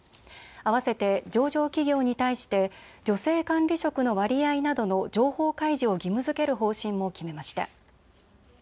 あわせて上場企業に対して女性管理職の割合などの情報開示を義務づける方針も決めました。